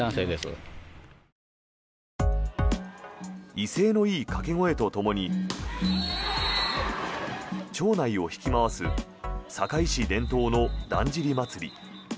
威勢のいい掛け声とともに町内を引き回す堺市伝統のだんじり祭。